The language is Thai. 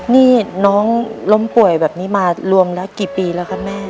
นี่น้องล้มป่วยแบบนี้มารวมแล้วกี่ปีแล้วครับแม่